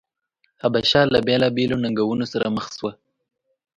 حبشه له بېلابېلو ننګونو سره مخ شوه.